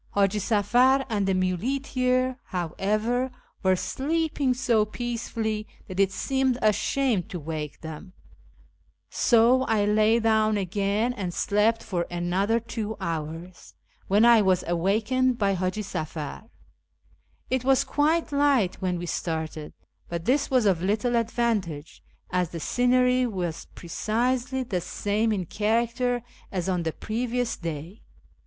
Hiiji Safar and the muleteer, however, were sleeping so peacefully that it seemed a shame to wake FROM YEZD TO KIRMAN them, so I lay down again and slept for another two hours, when I was awakened by Haji Safar, It was quite light when we started, but this was of little advantage, as the scenery was precisely the same in character as on the previous dav.